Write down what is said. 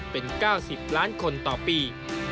เป็น๙๐ล้านคนต่อปี